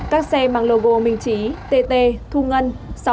các xe mang logo minh trí tt thu ngân sáu nghìn bảy trăm tám mươi chín